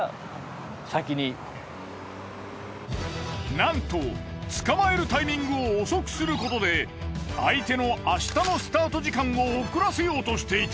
なんと捕まえるタイミングを遅くすることで相手の明日のスタート時間を遅らせようとしていた。